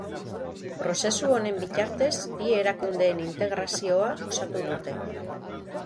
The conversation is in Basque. Prozesu honen bitartez bi erakundeen integrazioa osatu dute.